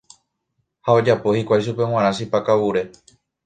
Ha ojapo hikuái chupe g̃uarã chipa kavure.